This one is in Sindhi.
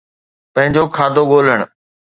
پنهنجو کاڌو ڳولڻ